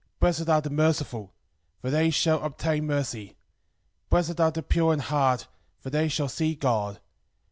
Blessed are the merciful: for they shall obtain mercy. Blessed are the pure in heart: for they shall see God.